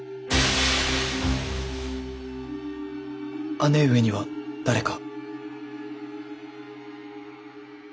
姉上には誰か？